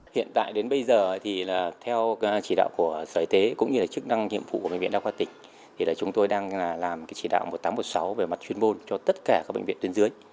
hiện tại đến bây giờ thì theo chỉ đạo của sở y tế cũng như là chức năng nhiệm vụ của bệnh viện đa khoa tỉnh thì chúng tôi đang làm chỉ đạo một nghìn tám trăm một mươi sáu về mặt chuyên môn cho tất cả các bệnh viện tuyến dưới